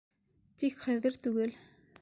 Тик хәҙер түгел.